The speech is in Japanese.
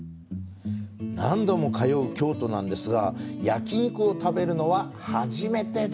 何度も通う京都なんですが焼き肉を食べるのは初めてです。